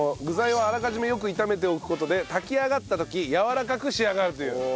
具材をあらかじめよく炒めておく事で炊き上がった時やわらかく仕上がるという。